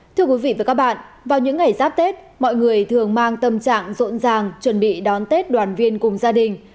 thưa quý vị và các bạn vào những ngày giáp tết mọi người thường mang tâm trạng rộn ràng chuẩn bị đón tết đoàn viên cùng gia đình